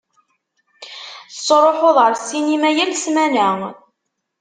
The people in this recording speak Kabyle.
Tettṛuḥuḍ ar ssinima yal ssmana.